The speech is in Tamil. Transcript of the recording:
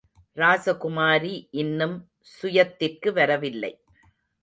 ராசகுமாரி இன்னும் சுயத்திற்கு வரவில்லை.